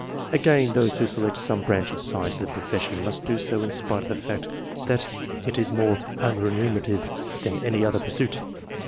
Again, those who select some branch of science as a profession, must do so in spite of the fact that it is more unremunerative than any other pursuit.